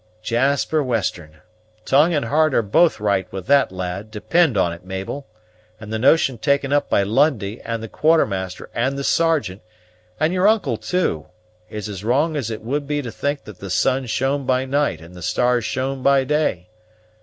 "Jasper Western! tongue and heart are both right with that lad, depend on it, Mabel; and the notion taken up by Lundie, and the Quartermaster, and the Sergeant, and your uncle too, is as wrong as it would be to think that the sun shone by night and the stars shone by day.